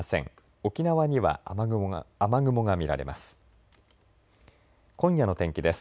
沖縄には雨雲が見られます。